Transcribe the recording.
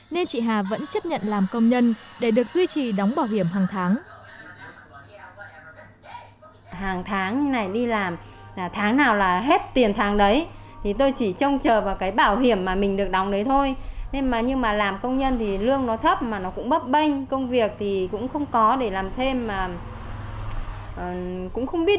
nên chị hà vẫn chấp nhận làm công nhân để được duy trì đóng bảo hiểm hàng tháng